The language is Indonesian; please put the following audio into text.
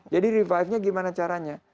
jadi revivenya gimana caranya